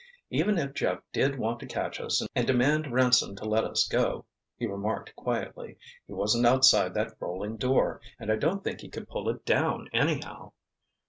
"Even if Jeff did want to catch us and demand ransom to let us go," he remarked quietly, "he wasn't outside that rolling door—and I don't think he could pull it down anyhow."